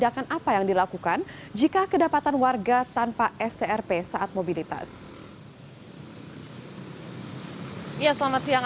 memang merupakan pembatasan kota antara wilayah bekasi dan wilayah jakarta timur sehingga sebelum masa ppkm darurat ini ruas jalan raya kalimalang terkenal macam kali ini kita juga biasavoorbeeld sejalan raya kalimalang yang di